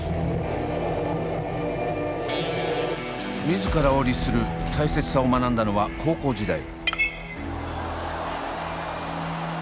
自らを律する大切さを学んだのは高校時代。